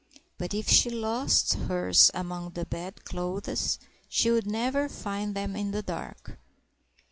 But if she lost hers among the bedclothes she would never find them in the dark.